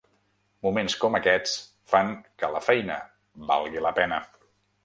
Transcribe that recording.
Moments com aquests fan que la feina valgui la pena.